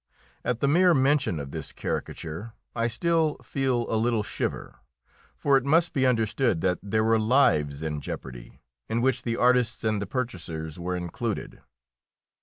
At the mere mention of this caricature I still feel a little shiver; for it must be understood that there were lives in jeopardy, in which the artists' and the purchasers' were included.